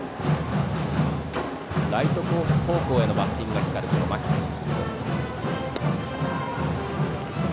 ライト方向へのバッティングが光る牧です。